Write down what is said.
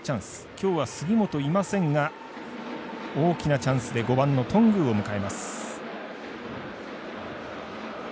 今日は杉本いませんが大きなチャンスで５番の頓宮を迎えます。